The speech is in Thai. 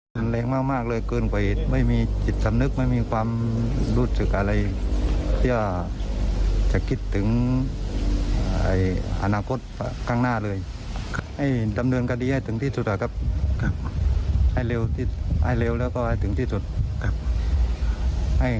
ผลคำที่เขาก็ทำไป